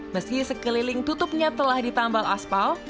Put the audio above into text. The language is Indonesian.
meski sekeliling tutupnya telah ditambal aspal